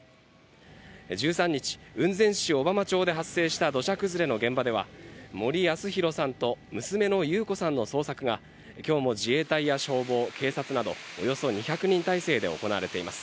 １３日雲仙市小浜町で発生した土砂崩れの現場では森保啓さんと娘の優子さんの捜索が今日も自衛隊や消防、警察などおよそ２００人の体制で行われています。